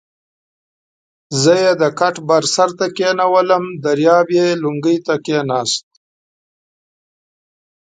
زه یې د کټ بر سر ته کېنولم، دریاب یې لنګې ته کېناست.